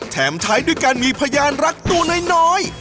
แถมท้ายด้วยการมีพยานรักตัวน้อย